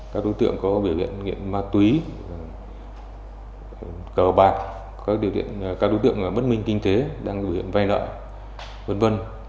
các đối tượng có biểu hiện nghiện ma túy cờ bạc các đối tượng bất minh kinh tế đang biểu hiện vay lợi v v